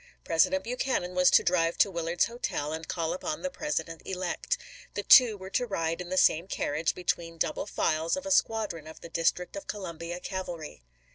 President Buchanan was to drive to Willard's Hotel and call upon the President elect. The two were to ride in the same carriage, between double files of a squadron of the Dis trict of Columbia cavalry.